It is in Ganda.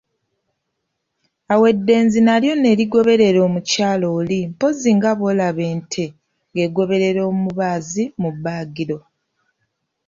Awo eddenzi nalyo ne ligoberera omukyala oli mpozzi nga bw'olaba ente ng'egoberera omubaazi mu bbaagiro!